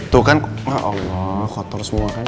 tuh kan allah kotor semua kan